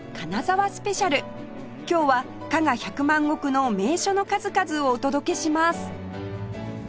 今日は加賀百万石の名所の数々をお届けします！